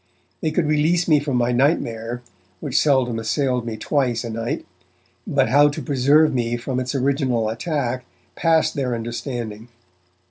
They could release me from my nightmare, which seldom assailed me twice a night but how to preserve me from its original attack passed their understanding.